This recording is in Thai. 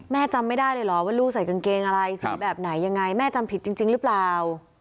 จำไม่ได้เลยเหรอว่าลูกใส่กางเกงอะไรสีแบบไหนยังไงแม่จำผิดจริงหรือเปล่า